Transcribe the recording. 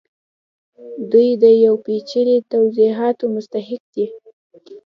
دوی د یو پیچلي توضیحاتو مستحق دي